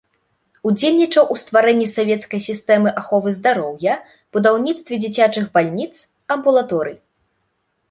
Удзельнічаў у стварэнні савецкай сістэмы аховы здароўя, будаўніцтве дзіцячых бальніц, амбулаторый.